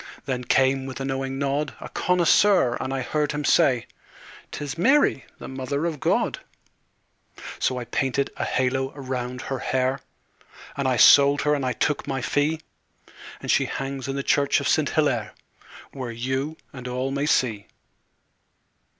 Then came, with a knowing nod, A connoisseur, and I heard him say; "'Tis Mary, the Mother of God." So I painted a halo round her hair, And I sold her and took my fee, And she hangs in the church of Saint Hillaire, Where you and all may see.